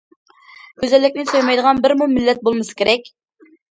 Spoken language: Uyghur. گۈزەللىكنى سۆيمەيدىغان بىرمۇ مىللەت بولمىسا كېرەك.